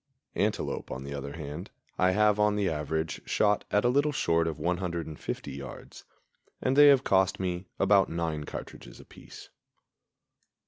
Antelope, on the other hand, I have on the average shot at a little short of 150 yards, and they have cost me about nine cartridges apiece.